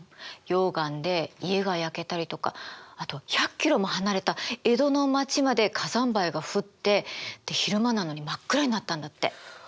溶岩で家が焼けたりとかあと１００ｋｍも離れた江戸の町まで火山灰が降って昼間なのに真っ暗になったんだって。